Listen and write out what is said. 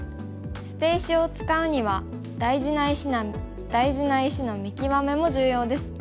捨て石を使うには大事な石の見極めも重要です。